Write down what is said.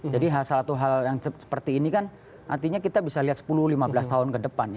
jadi salah satu hal yang seperti ini kan artinya kita bisa lihat sepuluh lima belas tahun ke depan